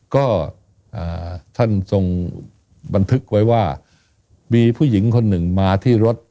ก็ท่านทรงบันทึกไว้ว่ามีผู้หญิงคนหนึ่งมาที่รถ